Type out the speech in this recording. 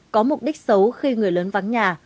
có mục đích xấu khi người lớn vắng nhà